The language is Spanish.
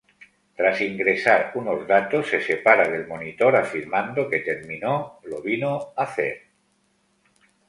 Tras ingresar unos datos, se separa del monitor, afirmando que termino lo vino hacer.